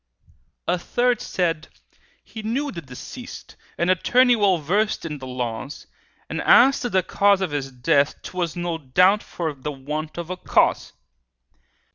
A third said, "He knew the deceased, An attorney well versed in the laws, And as to the cause of his death, 'Twas no doubt for the want of a cause."